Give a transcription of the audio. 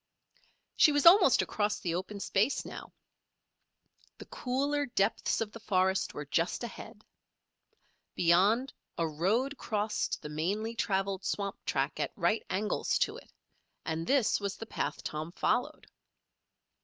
She was almost across the open space now. The cooler depths of the forest were just ahead. Beyond, a road crossed the mainly traveled swamp track at right angles to it, and this was the path Tom followed.